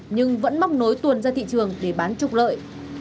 nhưng vẫn móc nối tuồn ra thị trường để bán trục lợi